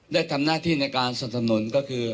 ได้ทำหน้าที่ในการสนับสนุนก็คือ